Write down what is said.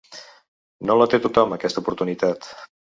No la té tothom, aquesta oportunitat.